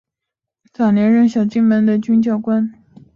早年任小金门守备师副连长与陆军官校教官。